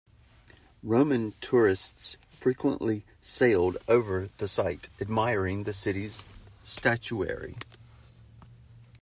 Roman tourists frequently sailed over the site, admiring the city's statuary.